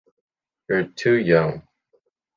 You are too young.